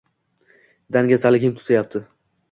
dangasaligim tutyapti.